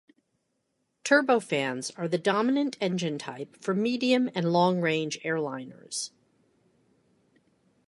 Turbofans are the dominant engine type for medium and long-range airliners.